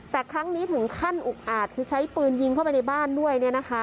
แต่ครั้งนี้ถึงขั้นอุกอาจคือใช้ปืนยิงเข้าไปในบ้านด้วย